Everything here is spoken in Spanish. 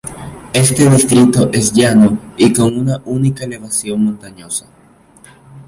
Este distrito es llano y con una única elevación montañosa.